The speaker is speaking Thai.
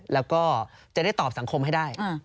แล้วก็จะได้ตอบสังคมให้ได้